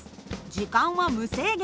時間は無制限。